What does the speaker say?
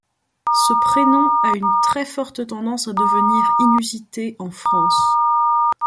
Ce prénom a une très forte tendance à devenir inusité, en France.